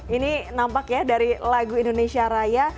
ini nampak ya dari lagu indonesia raya